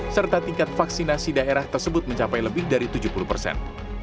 serta tingkat vaksinasi daerah tersebut mencapai lebih dari tujuh puluh persen